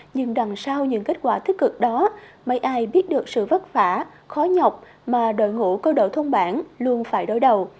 nhưng đằng sau những kết quả tích cực đó mấy ai biết được sự vất vả khó nhọc mà đội ngũ câu đội thôn bản luôn phải đối đầu